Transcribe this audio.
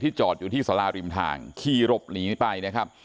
จอดอยู่ที่สาราริมทางขี่หลบหนีไปนะครับ